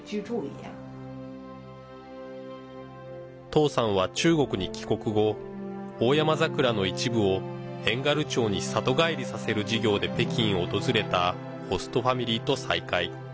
トウさんは中国に帰国後オオヤマザクラの一部を遠軽町に里帰りさせる事業で北京を訪れたホストファミリーと再会。